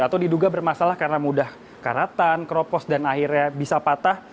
atau diduga bermasalah karena mudah karatan keropos dan akhirnya bisa patah